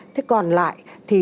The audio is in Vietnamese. thế còn lại thì